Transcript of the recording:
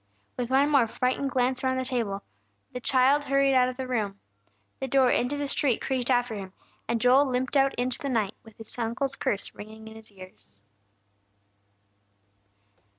With one more frightened glance around the table, the child hurried out of the room. The door into the street creaked after him, and Joel limped out into the night, with his uncle's curse ringing in his ears.